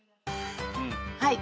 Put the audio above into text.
はい。